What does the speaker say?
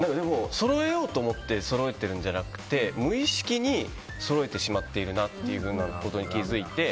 そろえようと思ってそろえているんじゃなくて無意識にそろえてしまっているなということに気づいて。